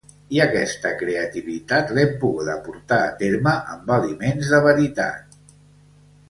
I aquesta creativitat l'hem poguda portar a terme amb aliments de veritat.